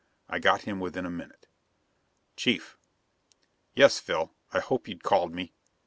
I got him within a minute. "Chief!" "Yes, Phil. I hoped you'd call me.